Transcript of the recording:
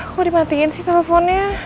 kok dimatiin sih teleponnya